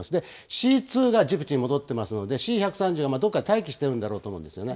Ｃ２がジブチに戻っていますので、Ｃ１３０はどこかで待機しているんだろうと思いますね。